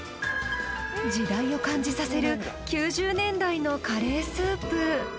時代を感じさせる９０年代のカレースープ。